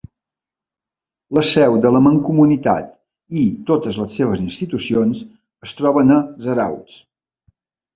La seu de la Mancomunitat i totes les seves institucions es troben a Zarautz.